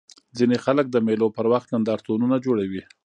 ځيني خلک د مېلو پر وخت نندارتونونه جوړوي.